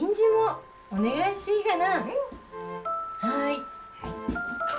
はい。